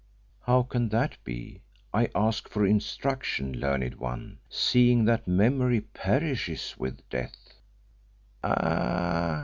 "How can that be I ask for instruction, learned One seeing that memory perishes with death?" "Ah!"